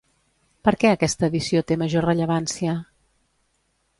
Per què aquesta edició té major rellevància?